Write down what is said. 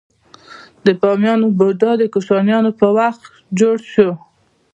د بامیان بودا د کوشانیانو په وخت جوړ شو